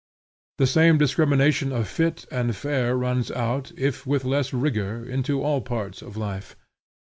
The same discrimination of fit and fair runs out, if with less rigor, into all parts of life.